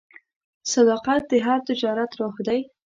صداقت د هر تجارت روح دی.